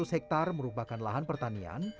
tiga ratus hektare merupakan lahan pertanian